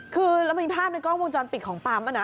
คือมีภาพในกล้องวงจรปิดของปั๊มนะฮะนะ